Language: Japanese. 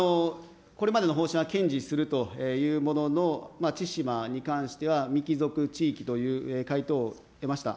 これまでの方針は堅持するというものの、千島に関しては、未帰属地域という回答を得ました。